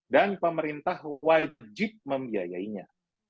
dan pemerintah wajib membiayainya